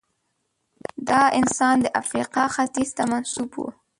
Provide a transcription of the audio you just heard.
دا انسان د افریقا ختیځ ته منسوب و.